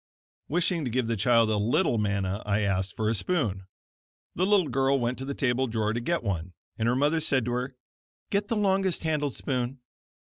Wishing to give the child a little manna I asked for a spoon. The little girl went to the table drawer to get one, and her mother said to her: "Get the longest handled spoon."